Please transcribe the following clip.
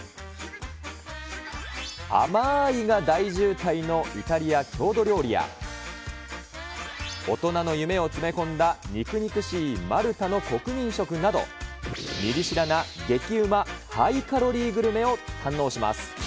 甘ーいが大渋滞のイタリア郷土料理や、大人の夢を詰め込んだ肉肉しいマルタの国民食など、ミリ知らな激うまハイカロリーグルメを堪能します。